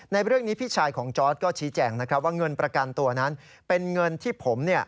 ในเรื่องนี้พี่ชายของจอร์ดก็ชี้แจงนะครับว่าเงินประกันตัวนั้นเป็นเงินที่ผม